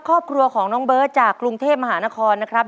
ครอบครัวของน้องเบิร์ตจากกรุงเทพมหานครนะครับ